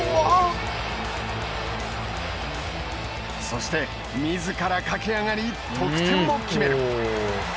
そして、みずから駆け上がり得点も決める。